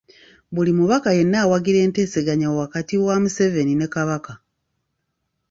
Buli mubaka yenna awagira enteeseganya wakati wa Museveni ne Kabaka.